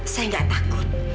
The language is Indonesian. saya gak takut